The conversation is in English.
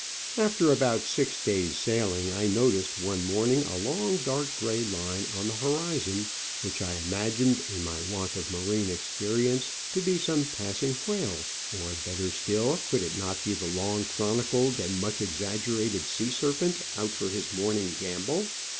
After about six days* sailing 1 noticed one morning a long Digitized by VjOOQIC OF AN Orchid Hunter. 9 dark grey line on the horizon, which I imagined in my want of marine experience to be some passing whale — or, better still, could it not be the long chronicled and much exaggerated sea serpent out for his morning gambol